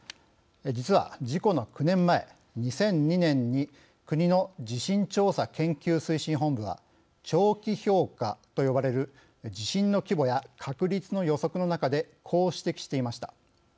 実は事故の９年前、２００２年に国の地震調査研究推進本部は長期評価と呼ばれる地震の規模や確率の予測の中でこう指摘していました。